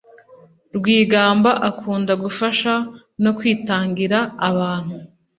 Rwigamba akunda gufasha no kwitangira abantu